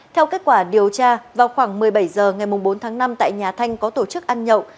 theo kết quả điều tra vào khoảng một mươi bảy h ngày bốn tháng năm tại nhà thanh có tổ chức ăn nhậu